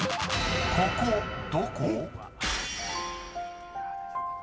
［ここどこ？］